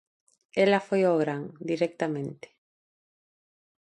Ela foi ó gran, directamente.